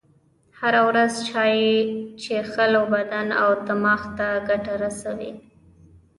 هره ورځ چایی چیښل و بدن او دماغ ته ګټه رسوي.